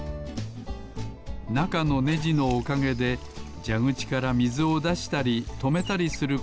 なかのねじのおかげでじゃぐちからみずをだしたりとめたりすることができるのです。